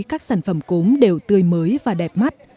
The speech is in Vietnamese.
các sản phẩm cốm đều tươi mới và đẹp mắt